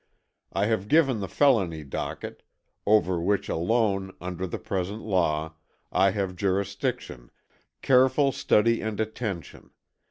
I have given the felony docket, over which alone, under the present law, I have jurisdiction, careful study and attention.